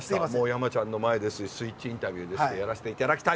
山ちゃんの前ですし「スイッチインタビュー」ですしやらせていただきたいと。